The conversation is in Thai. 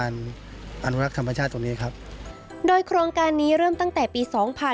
โรงการนี้เริ่มตั้งแต่ปี๒๕๕๔